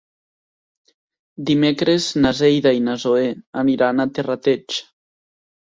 Dimecres na Neida i na Zoè aniran a Terrateig.